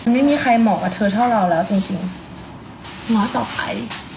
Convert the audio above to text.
ไม่มีใครเหมาะกับเธอเท่าเราแล้วจริงน้อยต่อไป